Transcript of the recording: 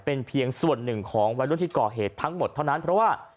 เป็นเพียงส่วนหนึ่งของวัยรุ่นที่ก่อเหตุทั้งหมดเท่านั้นเพราะว่า